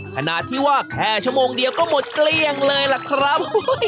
ขนาดที่ว่าแค่ชั่วโมงเดียวก็หมดเกลี้ยงเลยล่ะครับ